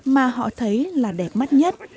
mà họ thấy là đẹp mắt nhất